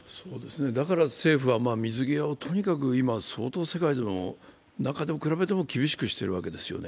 だから政府は水際をとにかく相当世界の中で比べても厳しくしてるわけですよね。